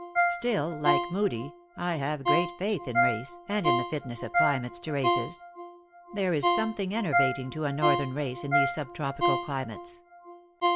Still, like Moodie, I have great faith in race, and in the fitness of climates to races. There is something enervating to a northern race in these subtropical climates.